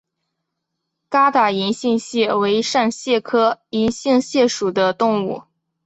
疙瘩银杏蟹为扇蟹科银杏蟹属的动物。